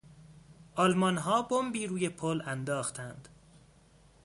آلمانها بمبی روی پل انداختند.